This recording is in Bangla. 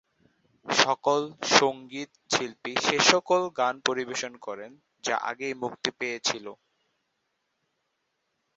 সকল সঙ্গীত শিল্পী সেসকল গান পরিবেশন করেন যা আগেই মুক্তি পেয়েছিল।